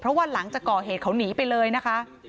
เพราะว่าหลังจากก่อเหตุเขาหนีไปเลยนะคะ